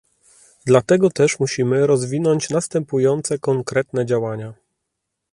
Dlatego też musimy rozwinąć następujące konkretne działania